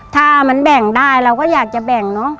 ถ้ามันแบ่งได้เราก็อยากจะแบ่งเนอะ